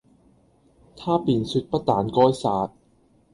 他便説不但該殺，